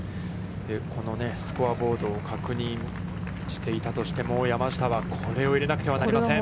このスコアボードを確認していたとしても、山下は、これを入れなくてはなりません。